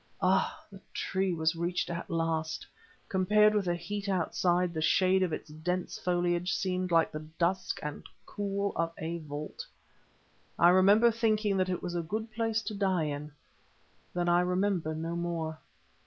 Ah, the tree was reached at last; compared with the heat outside, the shade of its dense foliage seemed like the dusk and cool of a vault. I remember thinking that it was a good place to die in. Then I remember no more.